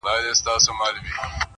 بس چي کله دي کابل کي یوه شپه سي,